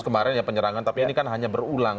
kemarin ya penyerangan tapi ini kan hanya berulang